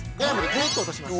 ぐっと落とします。